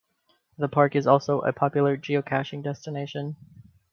The park is also a popular Geocaching destination.